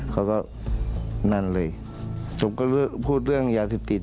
เขาก็นั่นเลยผมก็พูดเรื่องยาเสพติด